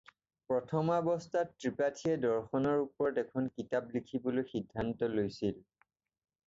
প্ৰথমাৱস্থাত ত্ৰিপাঠীয়ে দৰ্শনৰ ওপৰত এখন কিতাপ লিখিবলৈ সিদ্ধান্ত লৈছিল।